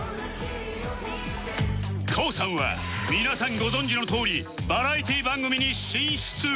ＫＯＯ さんは皆さんご存じのとおりバラエティー番組に進出